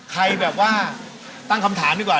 ใครแบบว่าตั้งคำถามดีกว่า